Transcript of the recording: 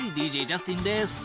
ＤＪジャスティンです。